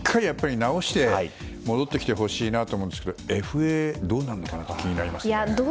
しっかり治して戻ってきてほしいなと思いますがＦＡどうなるのかなって気になりますね。